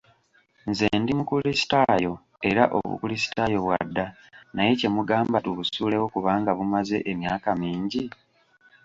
Nze ndi mukulisitaayo era obukulisitaayo bwadda naye kye mugamba tubusuulewo kubanga bumaze emyaka mingi?